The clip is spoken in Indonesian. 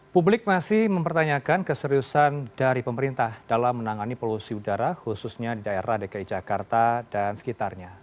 publik masih mempertanyakan keseriusan dari pemerintah dalam menangani polusi udara khususnya di daerah dki jakarta dan sekitarnya